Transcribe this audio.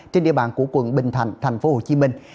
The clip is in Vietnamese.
trên địa bàn của quận bình thạnh thành phố hồ chí minh